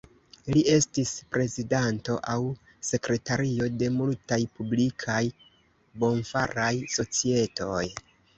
Li estis prezidanto aŭ sekretario de multaj publikaj bonfaraj societoj.